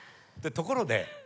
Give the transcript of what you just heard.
ところで。